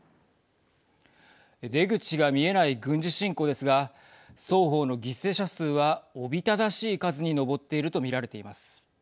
出口が見えない軍事侵攻ですが双方の犠牲者数はおびただしい数に上っていると見られています。